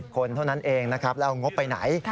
คนเท่านั้นเองนะครับแล้วเอางบไปไหน